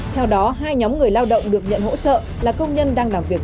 theo đó hai nhóm người lao động được nhận hỗ trợ là công nhân đang làm việc